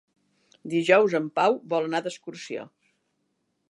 Dijous en Pau vol anar d'excursió.